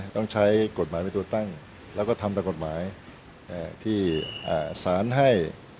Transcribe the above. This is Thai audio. ต้องใช้กฎหมายเป็นตัวตั้งแล้วก็ทำตามกฎหมายที่สารให้